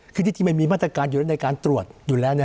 คือที่จริงมันมีมาตรการอยู่ในการตรวจอยู่แล้ว